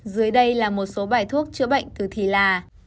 dưới đây là một số bài thuốc chữa bệnh từ thịt là